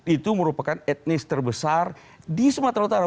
itu merupakan etnis terbesar di sumatera utara